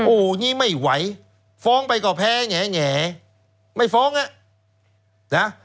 โอ้โหนี่ไม่ไหวฟ้องไปก็แพ้แง่ไม่ฟ้องอ่ะนะ